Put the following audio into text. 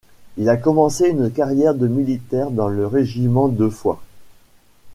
Il a commencé une carrière militaire dans le régiment de Foix.